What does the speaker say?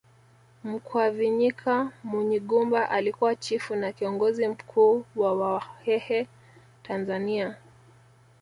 Mkwavinyika Munyigumba alikuwa chifu na kiongozi mkuu wa Wahehe Tanzania